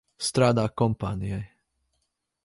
Strādā kompānijai.